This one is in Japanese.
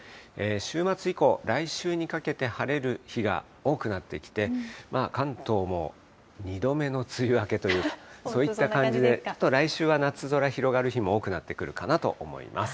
週末以降、来週にかけて晴れる日が多くなってきて、関東も２度目の梅雨明けというか、そういった感じで、ちょっと来週は夏空広がる日も多くなってくるかなと思います。